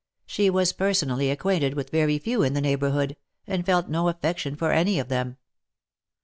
She was personally acquainted with very few in the neighbourhood, and felt no affection for any of them.